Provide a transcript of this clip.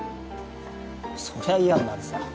そりゃ嫌になるさ。